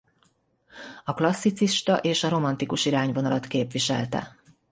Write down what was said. A klasszicista és a romantikus irányvonalat képviselte.